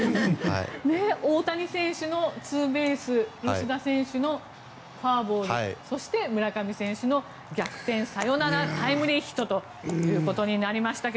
大谷選手のツーベース吉田選手のフォアボールそして、村上選手の逆転サヨナラタイムリーヒットとなりましたが。